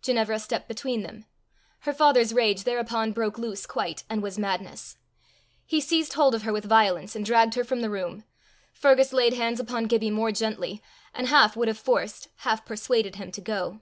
Ginevra stepped between them. Her father's rage thereupon broke loose quite, and was madness. He seized hold of her with violence, and dragged her from the room. Fergus laid hands upon Gibbie more gently, and half would have forced, half persuaded him to go.